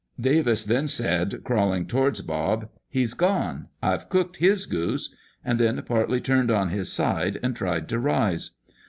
Davis then said, crawling towards Bob, 'He's gone; I've cooked his goose,' and then partly turned on his side, and tried to rise.